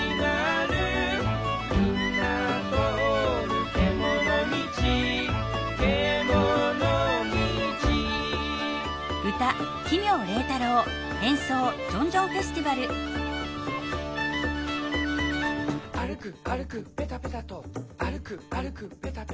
「みんなとおるけものみち」「けものみち」「あるくあるくぺたぺたと」「あるくあるくぺたぺたと」